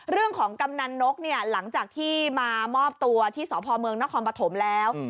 เรื่องของกำนันนกหลังจากที่มามอบตัวที่สพเมืองนครปฐมแล้ว